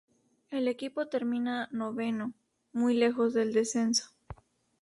El equipo termina noveno, muy lejos del descenso.